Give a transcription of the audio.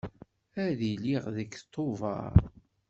Ad d-iliɣ deg Tubeṛ.